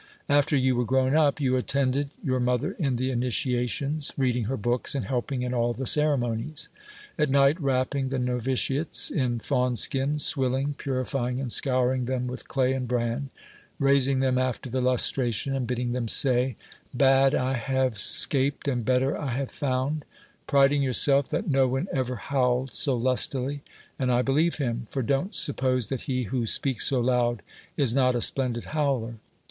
After you were grown up, you attended your mother in the ini tiations, reading her books and helping in all the ceremonies; at night wrapping the noviciates in fawn skin, swilling, purifying, and scouring them with clay ancl bran, raising them after the lustration, and bidding them say, "Bad I have 17:i DEMOSTHENES scaped, and better I have found''; priding j^our self that no one ever howled so lustily — and I believe him! for don't suppose that he who speaks so loud is not a splendid howler